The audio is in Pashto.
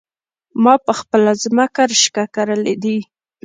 ما په خپله ځمکه رشکه کرلي دي